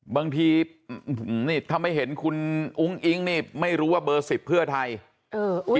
บางทีนี่ถ้าไม่เห็นคุณอุ้งอิ๊งนี่ไม่รู้ว่าเบอร์๑๐เพื่อไทย